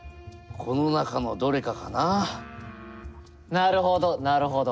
なるほどなるほど。